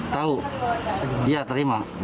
tahu iya terima